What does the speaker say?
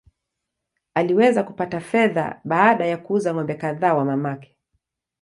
Aliweza kupata fedha baada ya kuuza ng’ombe kadhaa wa mamake.